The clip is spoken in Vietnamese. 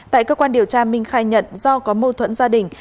tại cơ quan điều tra minh khai nhận do có mâu thuẫn gia đình